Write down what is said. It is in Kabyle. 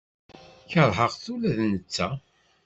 Keṛheɣ-t ula d netta.